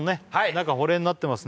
中保冷になってますね